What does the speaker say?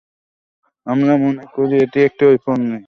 আমরা মনে করি, এটি একটি ঔপনিবেশিক মানসিকতা এবং অন্য কোনো ক্রোধের ফল।